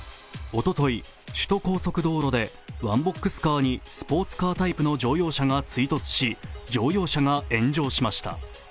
おととい、首都高速道路で、ワンボックスカーにスポーツカータイプの乗用車が追突し乗用車が炎上しました。